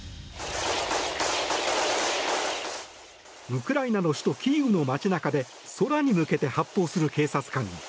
ウクライナの首都キーウの街中で空に向けて発砲する警察官。